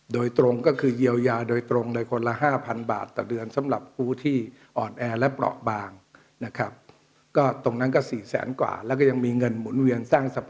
โดยตรงก็คือเยียวยาโดยตรงเลย